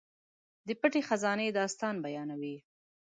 د پټې خزانې داستان بیانوي.